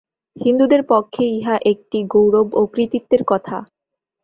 হিন্দুদের পক্ষে ইহা একটি গৌরব ও কৃতিত্বের কথা।